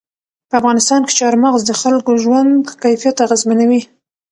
په افغانستان کې چار مغز د خلکو ژوند کیفیت اغېزمنوي.